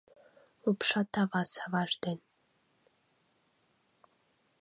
Лупша-тава саваж ден.